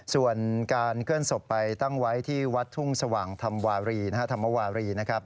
ส่วนการเคลื่อนศพไปตั้งไว้ที่วัดทุ่งสว่างธรรมวารีธรรมวารีนะครับ